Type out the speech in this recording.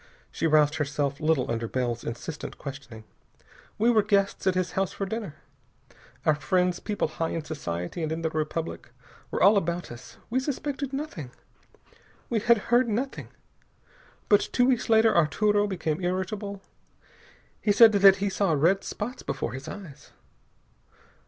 She roused herself little under Bell's insistent questioning. "We were guests at his house at dinner. Our friends, people high in society and in the Republic, were all about us. We suspected nothing. We had heard nothing. But two weeks later Arturo became irritable. He said that he saw red spots before his eyes.